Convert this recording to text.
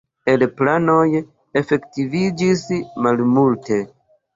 El planoj efektiviĝis malmulte.